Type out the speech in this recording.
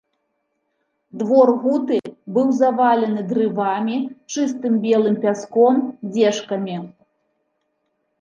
Двор гуты быў завалены дрывамі, чыстым белым пяском, дзежкамі.